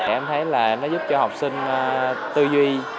em thấy là nó giúp cho học sinh tư duy